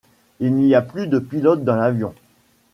Il n'y a plus de pilote dans l'avion.